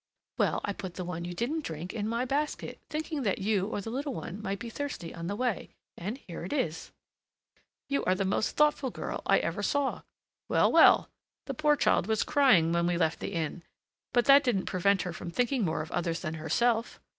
"Well, I put the one you didn't drink in my basket, thinking that you or the little one might be thirsty on the way; and here it is." "You are the most thoughtful girl I ever saw. Well, well! the poor child was crying when we left the inn, but that didn't prevent her from thinking more of others than herself!